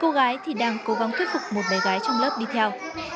cô gái thì đang cố gắng thuyết phục một bé gái trong lớp đi theo